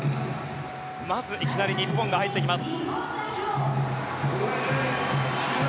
まずいきなり日本が入ってきます。